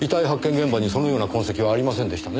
現場にそのような痕跡はありませんでしたね。